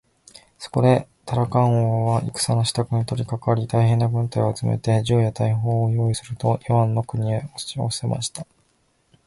そこでタラカン王は戦のしたくに取りかかり、大へんな軍隊を集めて、銃や大砲をよういすると、イワンの国へおしよせました。